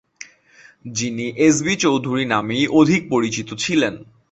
যিনি S B Chowdhury নামেই অধিক পরিচিত ছিলেন।